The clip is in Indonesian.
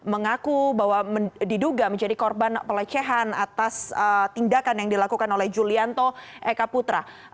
mengaku bahwa diduga menjadi korban pelecehan atas tindakan yang dilakukan oleh julianto eka putra